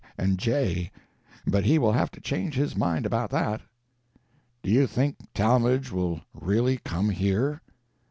and J. But he will have to change his mind about that." "Do you think Talmage will really come here?"